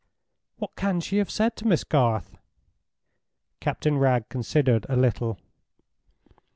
"What can she have said to Miss Garth?" Captain Wragge considered a little.